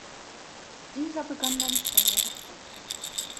Dieser begann dann zwei Jahre später.